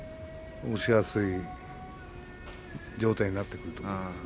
押しやすい状態になってくると思います。